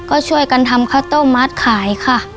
ก็ช่วยกันทำคัตเต้ามาสขายค่ะ